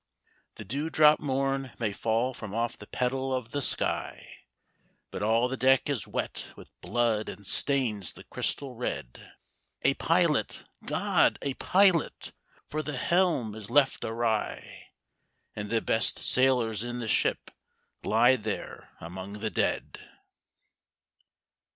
"The dewdrop morn may fall from off the petal of the sky, But all the deck is wet with blood and stains the crystal red. A pilot, GOD, a pilot! for the helm is left awry, And the best sailors in the ship lie there among the dead!"